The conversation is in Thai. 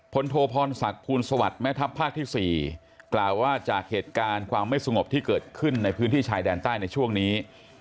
โทพรศักดิ์ภูลสวัสดิ์แม่ทัพภาคที่๔กล่าวว่าจากเหตุการณ์ความไม่สงบที่เกิดขึ้นในพื้นที่ชายแดนใต้ในช่วงนี้